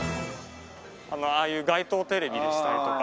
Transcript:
ああいう街頭テレビでしたりとか。